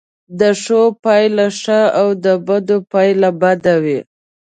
د ښو پایله ښه او د بدو پایله بده وي.